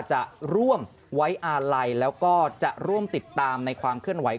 จะร่วมไว้อาลัยแล้วก็จะร่วมติดตามในความเคลื่อนไหว